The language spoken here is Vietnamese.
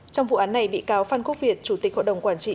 trong vụ án này bị cáo phan quốc việt chủ tịch hội đồng quản trị